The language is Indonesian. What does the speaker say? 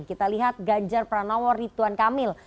kita lihat ganjar pranowo ridwan kamil